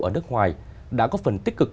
ở nước ngoài đã có phần tích cực